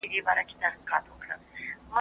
ماشومان له کیسو سره ډیره مینه لري.